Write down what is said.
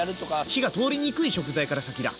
火が通りにくい食材から先だ！